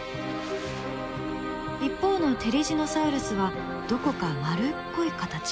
一方のテリジノサウルスはどこか丸っこい形の歯。